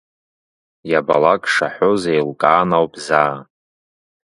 Иабалак шаҳәоз еилкаан ауп заа…